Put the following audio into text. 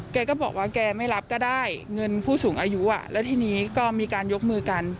แกก็บอกว่าแกไม่รับก็ได้เงินผู้สูงอายุอ่ะแล้วทีนี้ก็มีการยกมือกัน